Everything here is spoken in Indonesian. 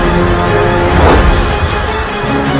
apa yang terjadi